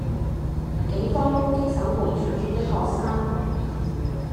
警方攻擊手無寸鐵的學生